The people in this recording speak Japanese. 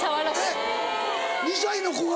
えっ２歳の子が。